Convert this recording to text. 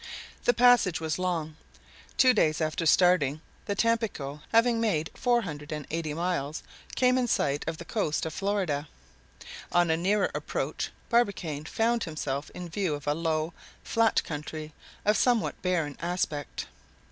The passage was not long. Two days after starting, the Tampico, having made four hundred and eighty miles, came in sight of the coast of Florida. On a nearer approach Barbicane found himself in view of a low, flat country of somewhat barren aspect.